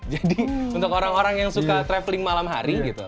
jadi untuk orang orang yang suka travelling malam hari gitu